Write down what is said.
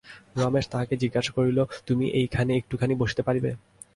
রমেশ তাহাকে জিজ্ঞাসা করিল, তুমি এইখানে একটুখানি বসিতে পারিবে?